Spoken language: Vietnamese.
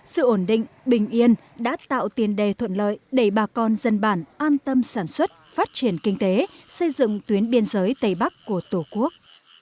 sự ổn định bình yên đã tạo tiền đề thuận lợi để bà con dân bản an tâm sản xuất phát triển kinh tế xây dựng tuyến biên giới tây bắc của tổ quốc